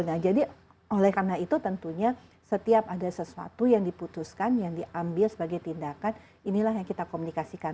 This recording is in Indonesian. nah jadi oleh karena itu tentunya setiap ada sesuatu yang diputuskan yang diambil sebagai tindakan inilah yang kita komunikasikan